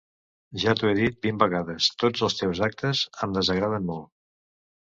Ja t'ho he dit vint vegades: tots els teus actes em desagraden molt.